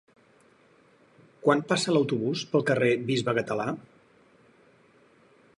Quan passa l'autobús pel carrer Bisbe Català?